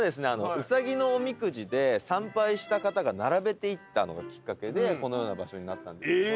うさぎのおみくじで参拝した方が並べていったのがきっかけでこのような場所になったんですけど。